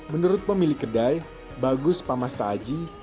menurut pemilik kedai bagus pamasta aji